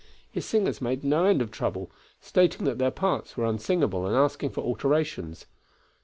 His singers made no end of trouble, stating that their parts were unsingable and asking for alterations.